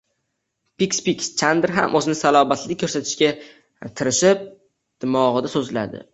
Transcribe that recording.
Pixpix Chandr ham o‘zini salobatli ko‘rsatishga tirishib, dimog‘ida so‘zlandi: